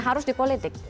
harus di politik